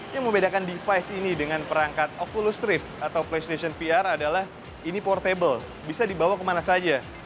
yang membedakan device ini dengan perangkat oculus rift atau playstation vr adalah ini portable bisa dibawa kemana saja